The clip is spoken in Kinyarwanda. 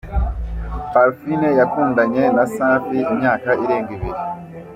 Parfine yakundanye na Safi imyaka irenga ibiri